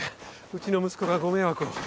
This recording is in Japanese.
うちの息子がご迷惑を。